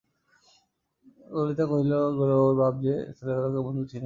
ললিতা কহিল, বাঃ, গৌরবাবুর বাপ যে বাবার ছেলেবেলাকার বন্ধু ছিলেন।